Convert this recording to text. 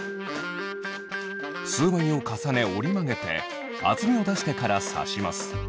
数枚を重ね折り曲げて厚みを出してから刺します。